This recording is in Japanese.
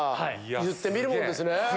言ってみるもんですね。